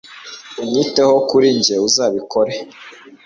Unyiteho kuri njye uzabikora